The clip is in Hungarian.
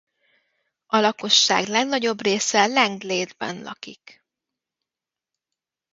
A lakosság legnagyobb része Langlade-ban lakik.